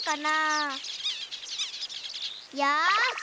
よし！